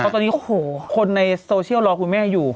ตอนนี้โอ้โหคนในโซเชียลรอคุณแม่อยู่